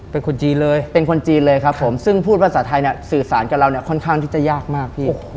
เป็นคนจีนเลยเป็นคนจีนเลยครับผมซึ่งพูดภาษาไทยเนี่ยสื่อสารกับเราเนี่ยค่อนข้างที่จะยากมากพี่